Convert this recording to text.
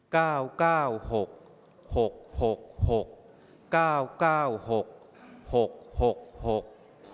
เก้าเก้าหกหกหกหกเก้าเก้าหกหกหกหก